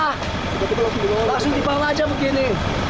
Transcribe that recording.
langsung dipanggil saja begini